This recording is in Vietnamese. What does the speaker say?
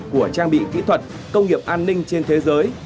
của trang bị kỹ thuật công nghiệp an ninh trên thế giới